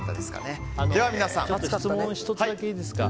質問１つだけいいですか。